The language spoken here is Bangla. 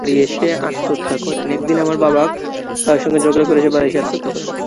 একদিন আমার বাবা কারও সঙ্গে ঝগড়া করে বাড়ি এসে আত্মহত্যা করেন।